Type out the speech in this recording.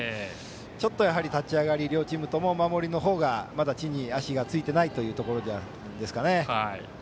ちょっと立ち上がり両チームとも守りのほうがまだ地に足がついていないというところですかね。